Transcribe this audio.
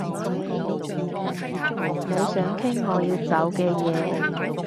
你想傾我要走嘅嘢